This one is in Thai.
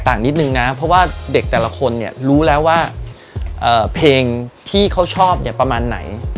ก็ต่างนิดนึงนะเพราะว่าเด็กแต่ละคนรู้แล้วว่าเพลงที่เขาชอบประมาณไหน